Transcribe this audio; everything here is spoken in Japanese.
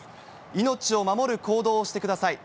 命を守る行動をしてください。